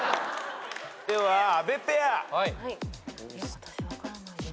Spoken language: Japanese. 私分からないです。